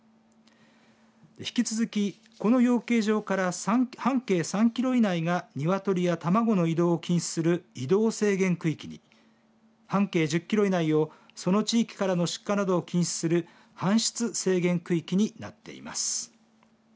引き続きこの養鶏場から半径３キロ以内が鶏や卵の移動を禁止する移動制限区域に半径１０キロ以内をその地域からの出荷などを禁止する搬出制限区域になっています。